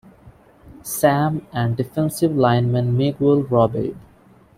Sam and defensive lineman Miguel Robede.